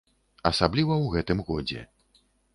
Асабліва ў гэтым годзе.